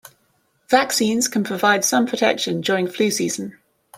Vaccines can provide some protection during flu season.